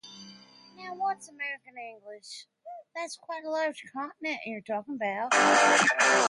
He published several travelogues during his lifetime.